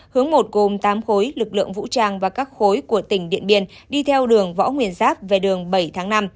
hướng một gồm tám khối lực lượng vũ trang và các khối của tỉnh điện biên đi theo đường võ nguyên giáp về đường bảy tháng năm